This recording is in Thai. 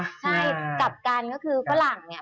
ใช่กลับกันก็คือฝรั่งเนี่ย